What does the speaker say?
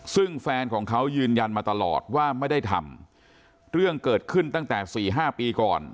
ซึ่งแฟนของเขายืนยันมาตลอดว่าไม่ได้ทำเรื่องเกิดขึ้นตั้งแต่สี่ห้าปีก่อน